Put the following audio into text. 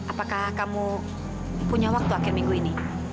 apakah kamu punya waktu akhir minggu ini